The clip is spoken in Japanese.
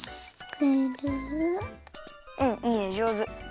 うんいいねじょうず。